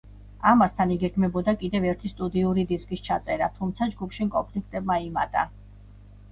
ამასთან, იგეგმებოდა კიდევ ერთი სტუდიური დისკის ჩაწერა, თუმცა ჯგუფში კონფლიქტებმა იმატა.